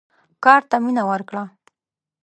کار ته مینه ورکړه.